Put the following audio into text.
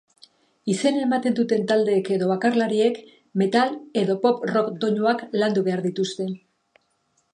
Izena ematen duten taldeek edo bakarlariek metal edo pop-rock doinuak landu behar dituzte.